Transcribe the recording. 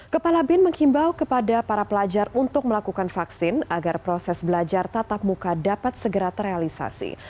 kepala bin menghimbau kepada para pelajar untuk melakukan vaksin agar proses belajar tatap muka dapat segera terrealisasi